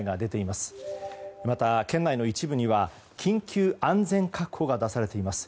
また、県内の一部には緊急安全確保が出されています。